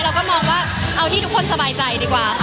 เราก็มองว่าเอาที่ทุกคนสบายใจดีกว่าค่ะ